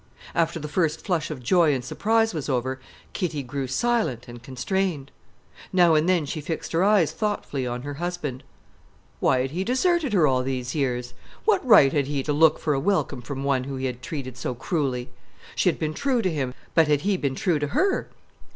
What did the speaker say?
After the first flush of joy and surprise was over Kitty grew silent and constrained. Now and then she fixed her eyes thoughtfully on her husband. Why had he deserted her all these years? What right had he to look for a welcome from one he had treated so cruelly? She had been true to him, but had he been true to her?